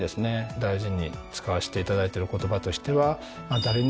大事に使わせていただいてる言葉としては。